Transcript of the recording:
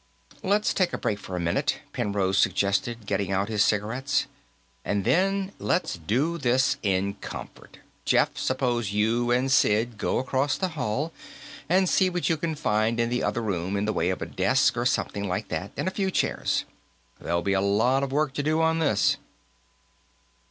"Let's take a break for a minute," Penrose suggested, getting out his cigarettes. "And then, let's do this in comfort. Jeff, suppose you and Sid go across the hall and see what you find in the other room in the way of a desk or something like that, and a few chairs. There'll be a lot of work to do on this."